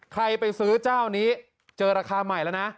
ไปซื้อเจ้านี้เจอราคาใหม่แล้วนะ